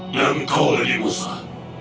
nom kau lagi muslah